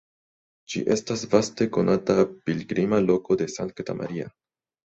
Ĝi estas vaste konata pilgrima loko de Sankta Maria.